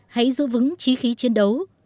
hãy giữ vững trí khí chiến đấu